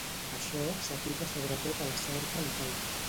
Això s'aplica sobretot a la cerca local.